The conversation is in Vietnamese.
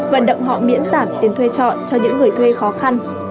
vận động họ miễn giảm tiền thuê trọ cho những người thuê khó khăn